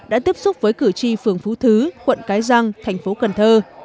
đã tiếp xúc với cử tri phường phú thứ quận cái răng thành phố cần thơ